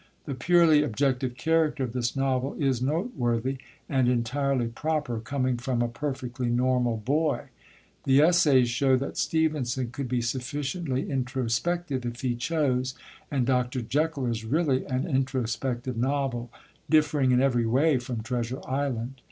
The purely objective character of this novel is noteworthy, and entirely proper, coming from a perfectly normal boy. The Essays show that Stevenson could be sufficiently introspective if he chose, and Dr. Jekyll is really an introspective novel, differing in every way from Treasure Island.